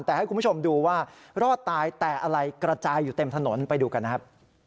แต่ให้คุณผู้ชมดูว่ารอดตายแต่อะไรกระจายอยู่เต็มถนนไปดูกันนะครับ